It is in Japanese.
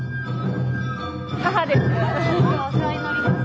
母です。